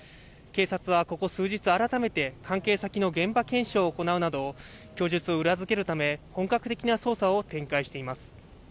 警察はここ数日、改めて関係先の現場検証を行うなど、供述を裏付けるため、本格的な捜査を展開しています。